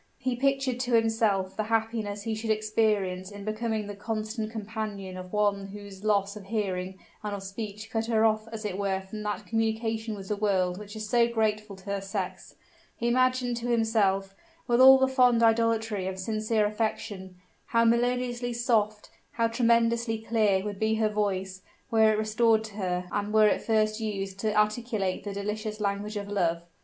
He pictured to himself the happiness he should experience in becoming the constant companion of one whose loss of hearing and of speech cut her off as it were from that communion with the world which is so grateful to her sex: he imagined to himself, with all the fond idolatry of sincere affection, how melodiously soft, how tremulously clear would be her voice, were it restored to her, and were it first used to articulate the delicious language of love.